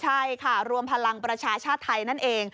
ใช่ค่ะรวมพลังประชาชาติไทยนั่นเอง